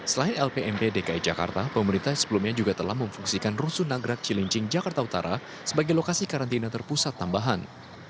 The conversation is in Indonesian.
selain lpmp dki jakarta pemerintah sebelumnya juga telah memfungsikan rusun nagrak cilincing jakarta utara sebagai lokasi karantina terpusat tambahan